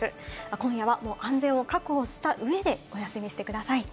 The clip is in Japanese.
今夜はもう安全を確保した上で、お休みしてください。